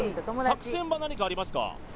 作戦は何かありますか？